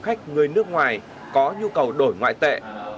khách người nước ngoài có nhu cầu đổi ngoại tệ